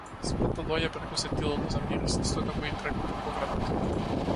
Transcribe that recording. Смртта доаѓа преку сетилото за мирис исто како и преку погледот.